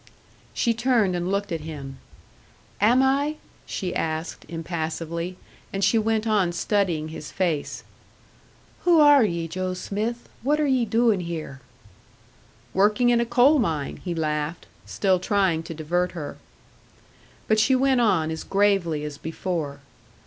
She turned and looked at him. "Am I?" she asked, impassively; and she went on studying his face. "Who are ye, Joe Smith? What are ye doin' here?" "Working in a coal mine," he laughed, still trying to divert her. But she went on, as gravely as before.